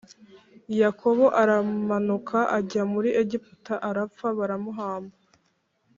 Yakobo aramanuka ajya muri Egiputa arapfa baramuhamba